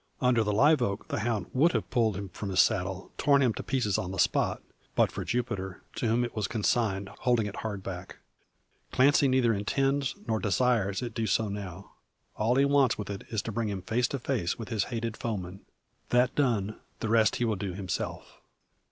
Under the live oak the hound would have pulled him from his saddle, torn him to pieces on the spot, but for Jupiter, to whom it was consigned, holding it hard back. Clancy neither intends, nor desires, it to do so now. All he wants with it, is to bring him face to face with his hated foeman. That done, the rest he will do himself.